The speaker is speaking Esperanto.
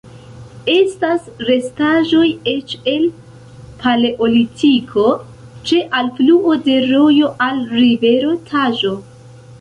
Estas restaĵoj eĉ el Paleolitiko, ĉe alfluo de rojo al rivero Taĵo.